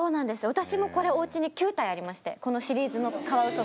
私もこれおうちに９体ありましてこのシリーズのカワウソが。